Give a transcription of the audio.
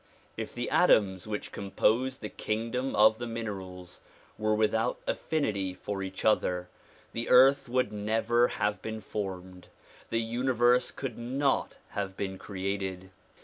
If the atoms which compose the kingdom of the minerals were without affinity for each other the earth would never have been formed, the universe could not have been created.